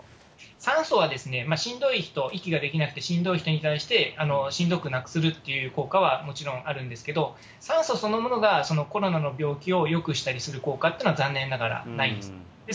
酸素はしんどい人、息ができなくてしんどい人に対して、しんどくなくするっていう効果はもちろんあるんですけれども、酸素そのものがコロナの病気をよくしたりする効果というのは、残念ながら、ないんです。